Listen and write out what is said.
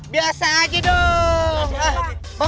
biasa aja dong